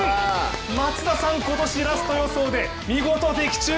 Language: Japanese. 松田さん、今年ラスト予想で見事的中！